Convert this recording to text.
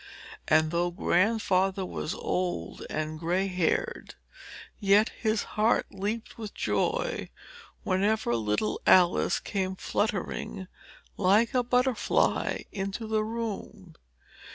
And though Grandfather was old and gray haired, yet his heart leaped with joy whenever little Alice came fluttering, like a butterfly, into the room.